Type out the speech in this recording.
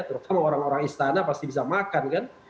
terutama orang orang istana pasti bisa makan kan